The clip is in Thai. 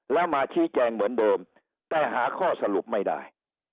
แล้วมาชี้แจงเหมือนเดิมแต่หาข้อสรุปไม่ได้